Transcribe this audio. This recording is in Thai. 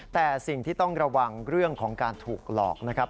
แต่สิ่งที่ต้องระวังเรื่องของการถูกหลอกนะครับ